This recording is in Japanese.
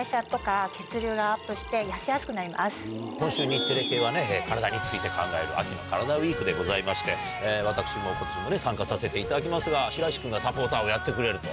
今週日テレ系は体について考える秋のカラダＷＥＥＫでございまして私も今年も参加させていただきますが白石君がサポーターをやってくれると。